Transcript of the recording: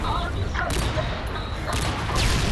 د نجونو لیلیه بې بودیجې نه تمویلیږي.